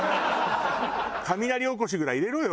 雷おこしぐらい入れろよ。